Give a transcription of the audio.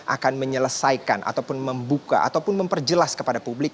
akan menyelesaikan ataupun membuka ataupun memperjelas kepada publik